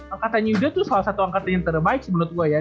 angkatannya yuda tuh salah satu angkatan yang terbaik sih menurut gue ya